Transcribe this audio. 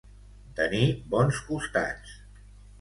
Tenir bons costats.